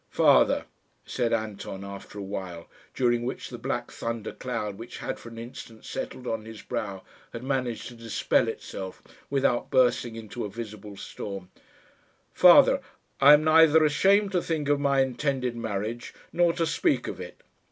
"Father," said Anton, after a while, during which the black thunder cloud which had for an instant settled on his brow had managed to dispel itself without bursting into a visible storm "father, I am neither ashamed to think of my intended marriage nor to speak of it.